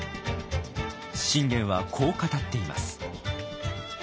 信玄はこう語っています。